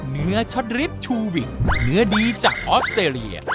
เนื้อช็อตลิปนื้อดีจากออสเตอร์เลีย